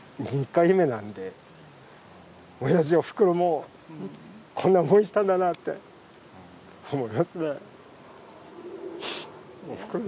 ２回目なんで、おやじ、おふくろもこんな思いしたんだなって、思いますね。